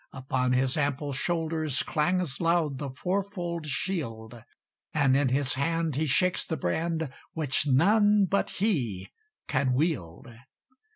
Upon his ample shoulders Clangs loud the fourfold shield, And in his hand he shakes the brand Which none but he can wield.